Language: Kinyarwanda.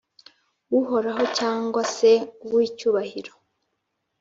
Uhoraho cyangwa se uw icyubahiro